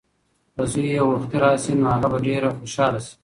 که زوی یې وختي راشي نو هغه به ډېره خوشحاله شي.